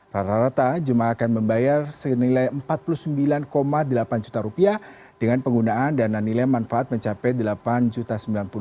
rata rata jemaah akan membayar senilai rp empat puluh sembilan delapan juta dengan penggunaan dana nilai manfaat mencapai rp delapan sembilan puluh delapan